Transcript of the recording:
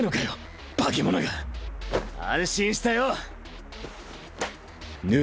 安心したよ！